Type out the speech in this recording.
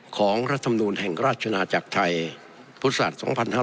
ของรัฐธรรมดูลแห่งราชนาจักรไทยพุทธศาสตร์๒๕๖๐